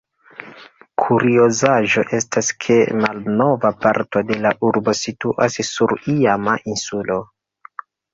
Kuriozaĵo estas ke malnova parto de la urbo situas sur iama insulo.